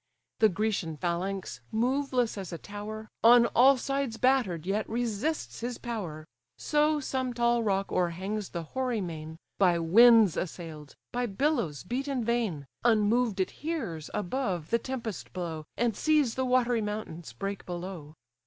The Grecian phalanx, moveless as a tower, On all sides batter'd, yet resists his power: So some tall rock o'erhangs the hoary main, By winds assail'd, by billows beat in vain, Unmoved it hears, above, the tempest blow, And sees the watery mountains break below.